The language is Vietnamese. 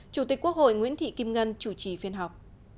chủ tịch quốc hội nguyễn thị kim ngân chủ trì phiên họp